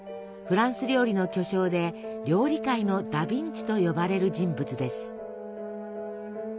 フランス料理の巨匠で料理界のダ・ヴィンチと呼ばれる人物です。